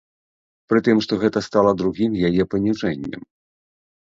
Пры тым што гэта стала другім яе паніжэннем.